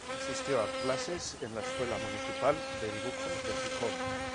Asistió a clases en la Escuela Municipal de Dibujo de Gijón.